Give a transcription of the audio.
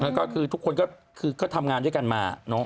แล้วก็คือทุกคนก็ทำงานด้วยกันมา